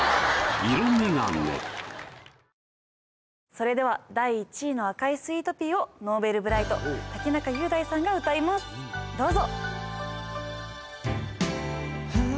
それでは第１位の『赤いスイートピー』を Ｎｏｖｅｌｂｒｉｇｈｔ ・竹中雄大さんが歌いますどうぞ。